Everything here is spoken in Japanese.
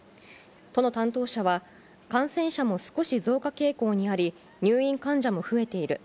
都の担当者は、感染者も少し増加傾向にあり、入院患者も増えている。